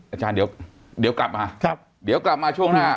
อาจารย์เดี๋ยวกลับมาครับเดี๋ยวกลับมาช่วงหน้า